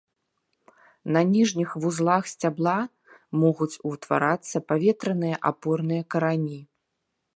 На ніжніх вузлах сцябла могуць утварацца паветраныя апорныя карані.